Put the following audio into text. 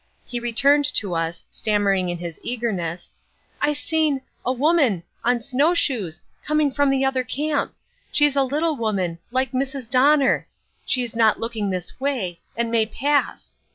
He returned to us, stammering in his eagerness: "I seen a woman on snow shoes coming from the other camp! She's a little woman like Mrs. Donner. She is not looking this way and may pass!"